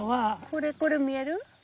これこれ見える？